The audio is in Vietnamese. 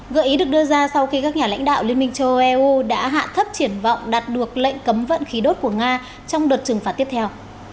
gợi ý được đưa ra sau khi các nhà lãnh đạo liên minh châu âu eu đã hạ thấp triển vọng đạt được lệnh cấm vận khí đốt của nga trong đợt trừng phạt tiếp theo